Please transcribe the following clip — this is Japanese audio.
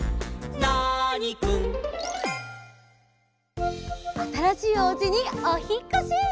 ナーニくん」あたらしいおうちにおひっこし！